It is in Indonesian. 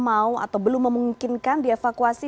mau atau belum memungkinkan dievakuasi